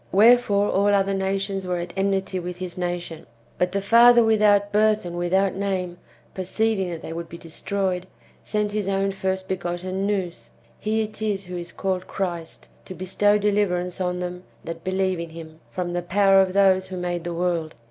Wherefore all other nations %vere at enmity w^ith his nation. But the father without birth and without name, perceiving that they would be destroyed, sent his own first begotten Nous (he it is who is called Christ) to bestow deliverance on them that believe in him, from the powder of those who made the world.